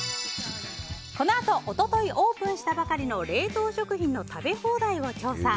このあと、一昨日オープンしたばかりの冷凍食品の食べ放題を調査。